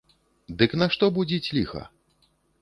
Дык нашто будзіць ліха?